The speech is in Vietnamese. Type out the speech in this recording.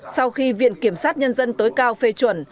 sau khi viện kiểm soát công ty cổ phần tập đoàn giáo dục e group